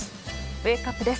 ウェークアップです。